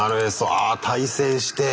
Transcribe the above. あ対戦して。